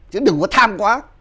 chứ đừng có tham quá